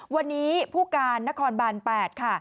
วันนี้ผู้การนครบาน๘ค่ะ